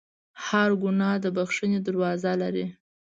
هر ګناه د بخښنې دروازه لري.